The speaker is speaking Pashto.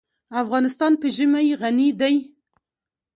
افغانستان په ژمی غني دی.